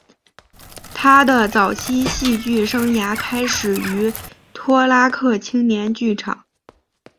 他的早期戏剧生涯开始于托拉克青年剧场。